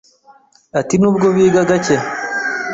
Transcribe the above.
Ati “Nubwo biba gake,